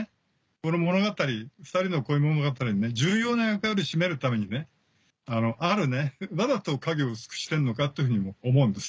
この物語２人の恋物語に重要な役割占めるためにねわざと影を薄くしてんのかというふうにも思うんです。